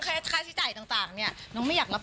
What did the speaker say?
อืมโอ้ก็เท่าไหร่ดีครับ